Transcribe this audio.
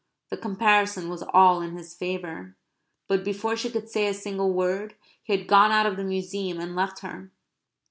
The comparison was all in his favour. But before she could say a single word he had gone out of the Museum and left her.